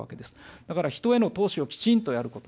だから、人への投資をきちんとやること。